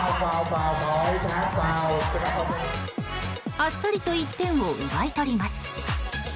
あっさりと１点を奪い取ります。